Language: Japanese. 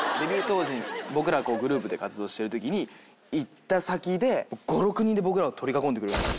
当時僕らグループで活動してるときに行った先で５６人で僕らを取り囲んでくれるんすよ。